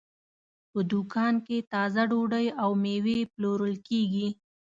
په دوکان کې تازه ډوډۍ او مېوې پلورل کېږي.